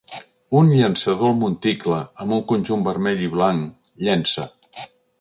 Un llançador al monticle, amb un conjunt vermell i blanc, llença.